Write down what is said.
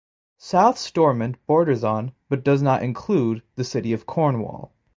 South Stormont borders on, but does not include, the city of Cornwall.